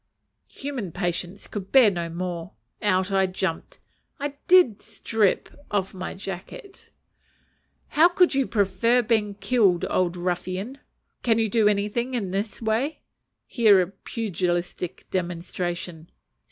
Human patience could bear no more. Out I jumped. I did "strip." Off came my jacket. "How would you prefer being killed, old ruffian? can you do anything in this way?" (Here a pugilistic demonstration.)